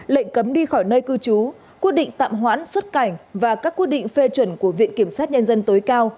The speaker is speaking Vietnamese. lệnh cấm đi khỏi nơi cư trú quyết định tạm hoãn xuất cảnh và các quyết định phê chuẩn của viện kiểm sát nhân dân tối cao